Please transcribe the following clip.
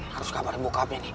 harus kabarin bokapnya nih